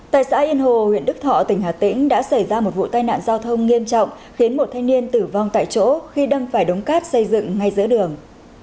tại xã yên hồ huyện đức thọ tỉnh hà tĩnh đã xảy ra một vụ tai nạn giao thông nghiêm trọng khiến một thanh niên tử vong tại chỗ khi đang phải đống cát xây dựng ngay giữa đường